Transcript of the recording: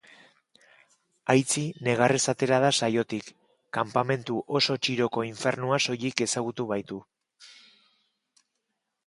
Aitzi negarrez atera da saiotik, kanpamentu oso txiroko infernua soilik ezagutu baitu.